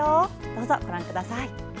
どうぞ、ご覧ください。